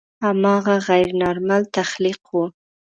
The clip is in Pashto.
هماغه غیر نارمل تخلیق و.